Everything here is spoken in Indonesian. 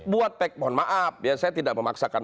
buat pek mohon maaf saya tidak memaksakan